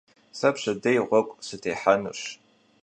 Сэ пщэдей гъуэгу сытехьэнущ.